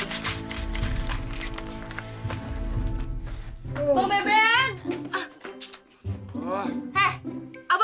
jangan lupa bu